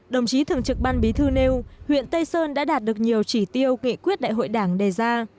đồng chí thường trực ban bí thư nêu huyện tây sơn đã đạt được nhiều chỉ tiêu nghị quyết đại hội đảng đề ra